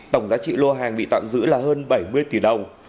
tổng giá trị lô hàng bị tạm giữ là hơn bảy mươi tỷ đồng